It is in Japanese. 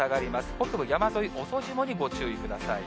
北部山沿い、遅霜にご注意ください。